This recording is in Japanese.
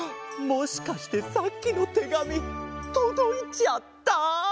もしかしてさっきのてがみとどいちゃった？